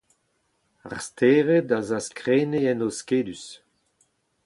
Ar stered a zaskrene en noz skedus.